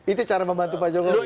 itu cara membantu pak jokowi